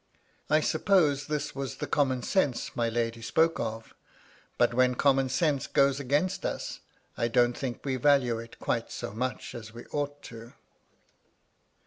I suppose this was the common sense my lady spoke of; but when common sense goes against us, I don't think we value it quite so much as we ought to do.